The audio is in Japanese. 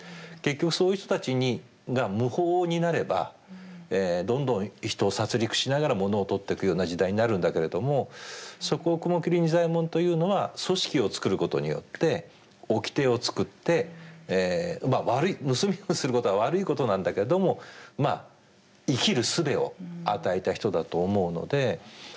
結局そういう人たちが無法になればどんどん人を殺りくしながらものを盗ってくような時代になるんだけれどもそこを雲霧仁左衛門というのは組織を作ることによって掟を作ってまあ悪い盗みをすることは悪いことなんだけども生きるすべを与えた人だと思うので。